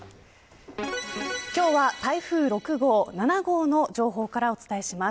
今日は台風６号、７号の情報からお伝えします